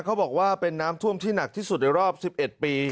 เขาบอกว่าเป็นน้ำท่วมที่หนักที่สุดในรอบ๑๑ปี